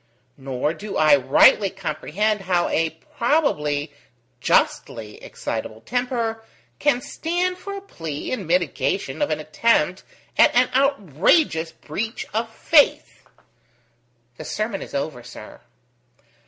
Nor do I rightly comprehend how a probably justly excitable temper can stand for a plea in mitigation of an attempt at an outrageous breach of faith." "The sermon is over, sir."